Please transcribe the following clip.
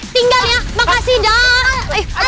tinggal ya makasih dong